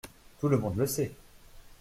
Tout le monde le sait.